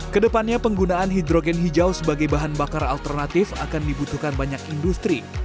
kedepannya penggunaan hidrogen hijau sebagai bahan bakar alternatif akan dibutuhkan banyak industri